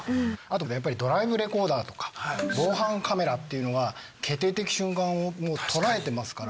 やっぱりドライブレコーダーとか防犯カメラっていうのは決定的瞬間を捉えてますから。